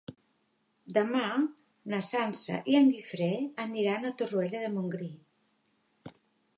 Demà na Sança i en Guifré aniran a Torroella de Montgrí.